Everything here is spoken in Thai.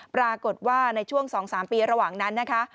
ปรากฏว่าในช่วง๒๓ปีระหว่างนั้นนะคะ